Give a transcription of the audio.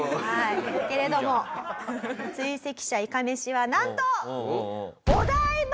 けれども追跡者いかめしはなんと！